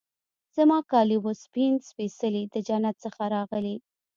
زما کالي وه سپین سپيڅلي د جنت څخه راغلي